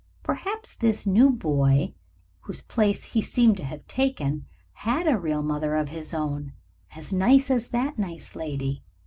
Perhaps this new boy whose place he seemed to have taken had a real mother of his own, as nice as that nice lady.